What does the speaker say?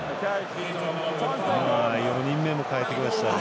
４人目も代えてきましたね。